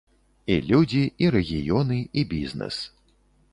І людзі, і рэгіёны, і бізнэс.